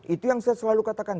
itu yang saya selalu katakan